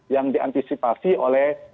yang diantisipasi oleh